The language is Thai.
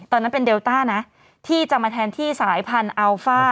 ตอนนั้นเป็นเดลต้านะที่จะมาแทนที่สายพันธุ์อัลฟ่า